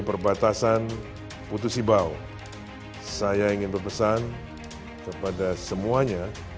perbatasan putus ibau saya ingin berpesan kepada semuanya